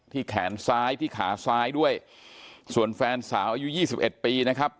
ที่แขนซ้ายที่ขาซ้ายด้วยส่วนแฟนสาวอายุ๒๑ปีนะครับ